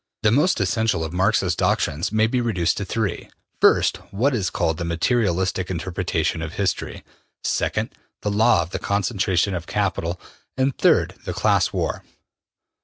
The most essential of Marx's doctrines may be reduced to three: first, what is called the material istic interpretation of history; second, the law of the concentration of capital; and, third, the class war.